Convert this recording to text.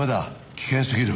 危険すぎる。